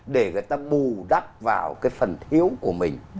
để người ta bù đắp vào cái phần thiếu của mình